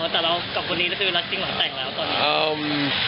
อ๋อแต่เรากับคนนี้คือรักจริงหรือแต่งแล้ว